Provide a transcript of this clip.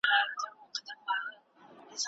استاد باید د مقالي لومړۍ بڼه اصلاح کړي.